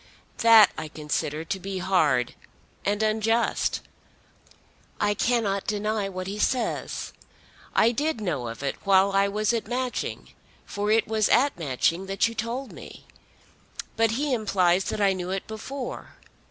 That I consider to be hard, and unjust. I cannot deny what he says. I did know of it while I was at Matching, for it was at Matching that you told me. But he implies that I knew it before.